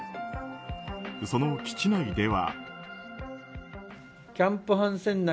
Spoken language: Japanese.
その基地内では。